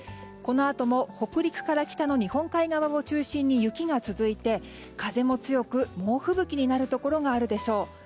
このあとも北陸から北の日本海側を中心に雪が続いて、風も強く猛吹雪になるところがあるでしょう。